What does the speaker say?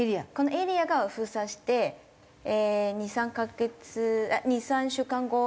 このエリアを封鎖して２３カ月。